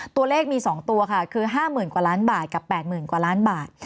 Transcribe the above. ตัวเลขมี๒ตัวค่ะคือ๕๐๐๐กว่าล้านบาทกับ๘๐๐๐กว่าล้านบาท